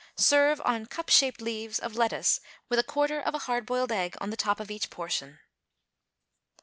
Serve on cup shaped leaves of lettuce with a quarter of a hard boiled egg on the top of each portion.